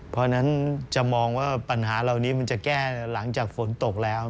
เพราะฉะนั้นจะมองว่าปัญหาเหล่านี้มันจะแก้หลังจากฝนตกแล้ว